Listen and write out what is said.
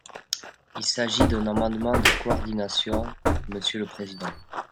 Il s’agit d’un amendement de coordination, monsieur le président.